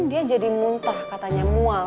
dia jadi muntah katanya mual